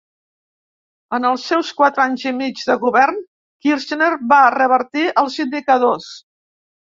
En els seus quatre anys i mig de govern, Kirchner va revertir els indicadors.